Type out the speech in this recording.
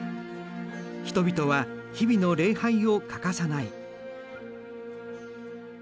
人々は日々の礼拝を欠かさない。